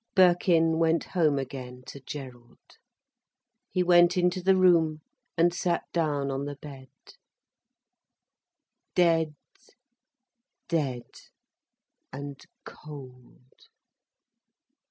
Birkin went home again to Gerald. He went into the room, and sat down on the bed. Dead, dead and cold!